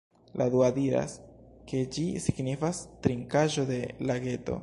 La dua diras ke ĝi signifas "trinkaĵo de lageto".